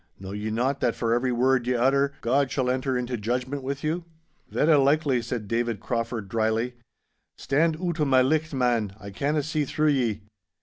Know ye not that for every word ye utter, God shall enter into judgment with you?' 'Verra likely,' said David Crauford, drily. 'Stand oot o' my licht, man, I canna see through ye.